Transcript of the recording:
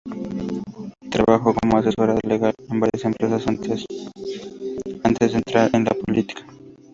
Trabajó como asesora legal en varias empresas antes de entrar en la política.